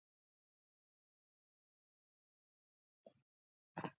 نجلۍ